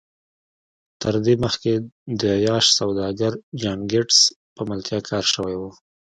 تر دې مخکې د عیاش سوداګر جان ګیټس په ملتیا کار شوی و